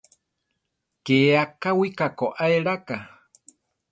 Ké akáwika koá eláka.